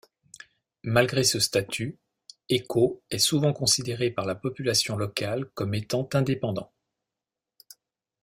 Malgré ce statut, Écault est souvent considéré par la population locale comme étant indépendant.